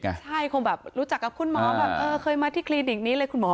ใช่คงแบบรู้จักกับคุณหมอแบบเออเคยมาที่คลินิกนี้เลยคุณหมอ